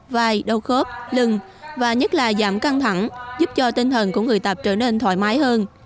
vai đau khớp lưng và nhất là giảm căng thẳng giúp cho tinh thần của người tập trở nên thoải mái hơn